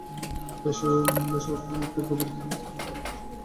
ভেসে উঠলাম একটা গভীর খালে, যেখানে কোন শুকনো জমি ছিল না।